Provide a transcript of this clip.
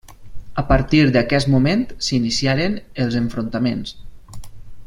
A partir d'aquest moment s'iniciaren els enfrontaments.